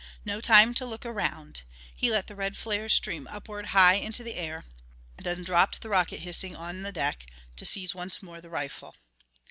No time to look around. He let the red flares stream upward high into the air, then dropped the rocket hissing on the deck to seize once more the rifle.